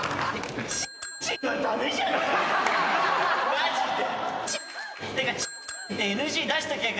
マジで。